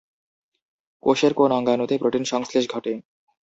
কোষের কোন অঙ্গাণুতে প্রোটিন সংশ্লেষ ঘটে?